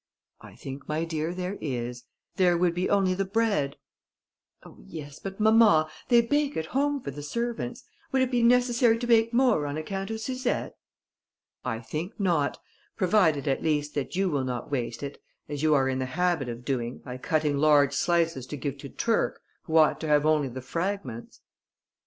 "I think, my dear, there is; there would only be the bread...." "Oh, yes; but, mamma, they bake at home for the servants; would it be necessary to bake more on account of Suzette?" "I think not, provided at least that you will not waste it as you are in the habit of doing, by cutting large slices to give to Turc, who ought to have only the fragments."